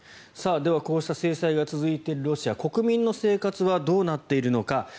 ではこうした制裁が続いているロシア国民の生活はどうなっているのか。